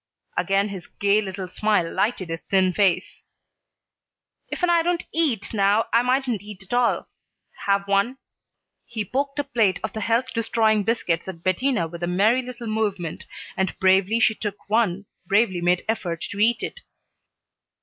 Again his gay little smile lighted his thin face. "Ifen I don't eat now I mightn't eat at all. Have one?" He poked a plate of the health destroying biscuits at Bettina with a merry little movement, and bravely she took one, bravely made effort to eat it.